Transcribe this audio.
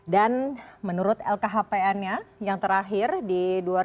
dan menurut lkhpn yang terakhir di dua ribu dua puluh dua